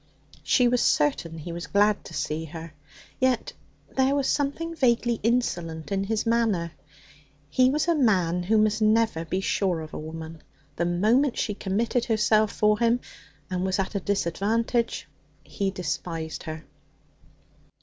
She was certain he was glad to see her. Yet there was something vaguely insolent in his manner. He was a man who must never be sure of a woman. The moment she committed herself for him and was at a disadvantage he despised her.